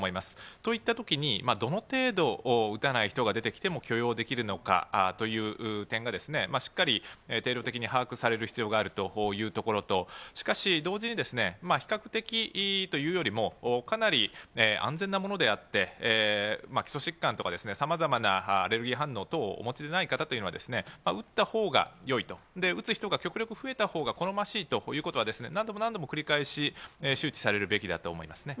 といったときに、どの程度、打たない人が出てきても許容できるのかという点が、しっかり定量的に把握される必要があるというところと、しかし、同時に比較的というよりも、かなり安全なものであって、基礎疾患とか、さまざまなアレルギー反応等をお持ちでない人というのは、打ったほうがよいと、打つ人が極力増えたほうが、好ましいということは、何度も何度も繰り返し周知されるべきだと思いますね。